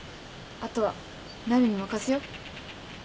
あとはなるに任せよう。